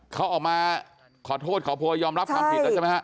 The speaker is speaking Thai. เขาออกมาขอโทษขอโพยยอมรับความผิดแล้วใช่ไหมฮะ